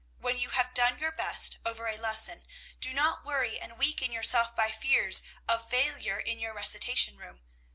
When you have done your best over a lesson, do not weary and weaken yourself by fears of failure in your recitation room.